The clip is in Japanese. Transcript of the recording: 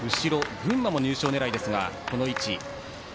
群馬も入賞狙いですが、この位置。